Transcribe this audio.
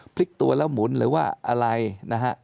พลิกตัวแล้วหมุนหรือว่าอะไรนะฮะ